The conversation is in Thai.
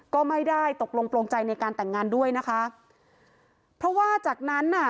ก็ไม่ได้ตกลงโปรงใจในการแต่งงานด้วยนะคะเพราะว่าจากนั้นน่ะ